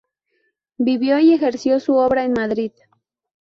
Vivió y ejerció su obra en Madrid.